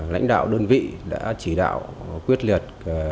lãnh đạo đơn vị đã chỉ đạo quyết liệt